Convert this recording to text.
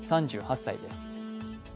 ３８歳です。